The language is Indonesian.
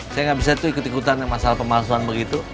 saya gak bisa ikut ikutan masalah pemalsuan begitu